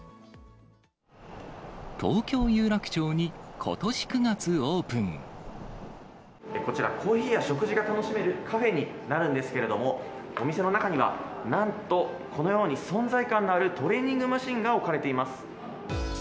東京・有楽町に、ことし９月、こちら、コーヒーや食事が楽しめるカフェになるんですけれども、お店の中には、なんと、このように存在感のあるトレーニングマシンが置かれています。